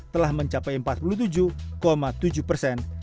telah mencapai empat puluh tujuh tujuh persen